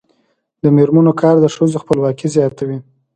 د میرمنو کار د ښځو خپلواکي زیاتوي.